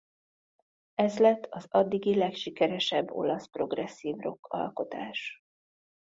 Ez lett az addigi legsikeresebb olasz progresszív rock alkotás.